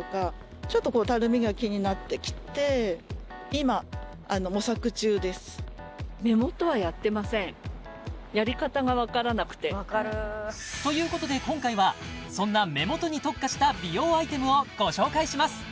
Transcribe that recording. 街の人にも悩みを聞いてみるとということで今回はそんな目元に特化した美容アイテムをご紹介します